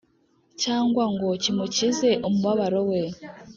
cyangwa ngo kimukize umubabaro we.